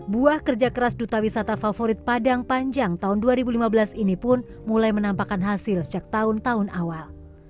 buah kerja keras duta wisata favorit padang panjang tahun dua ribu lima belas ini pun mulai menampakkan hasil sejak tahun tahun awal